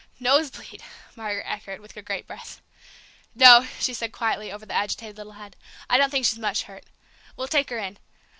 "Nosebleed!" Margaret echoed, with a great breath. "No," she said quietly, over the agitated little head; "I don't think she's much hurt. We'll take her in.